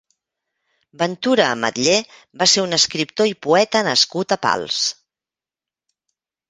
Ventura Ametller va ser un escriptor i poeta nascut a Pals.